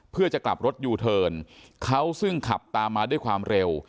เพื่อจะกลับรถยูเทิร์นเขาซึ่งขับตามมาด้วยความเร็ว